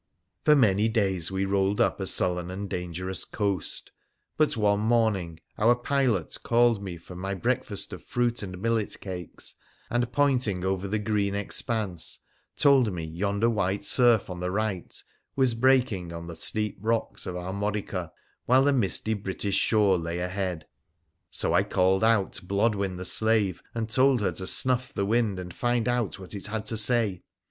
For many days we rolled up a sullen and dangerous coast, but one morning our pilot called me from my breakfast of fruit and millet cakes, and, pointing over the green expanse, told me yonder white surf on the right was breaking on the steep rocks of Armorica, while the misty British shore lay ahead. So I called out Blodwen the slave, and told her to snuff the wind and find what it had to say.